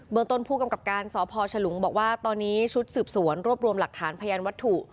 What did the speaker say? ต้นผู้กำกับการสพฉลุงบอกว่าตอนนี้ชุดสืบสวนรวบรวมหลักฐานพยานวัตถุ